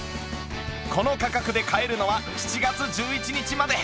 この価格で買えるのは７月１１日まで。